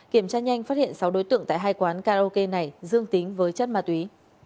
kiểm tra nhanh phát hiện sáu đối tượng tại hai quán karaoke này dương tính với chất ma túy